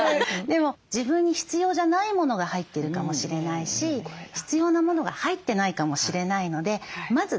でも自分に必要じゃないものが入ってるかもしれないし必要なものが入ってないかもしれないのでまず出してみる。